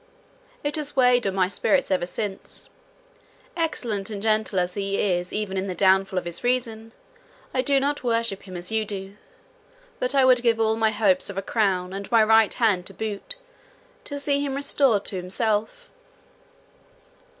It has weighed on my spirits ever since. Excellent and gentle as he is even in the downfall of his reason, I do not worship him as you do, but I would give all my hopes of a crown and my right hand to boot, to see him restored to himself."